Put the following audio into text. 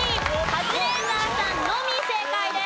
カズレーザーさんのみ正解です。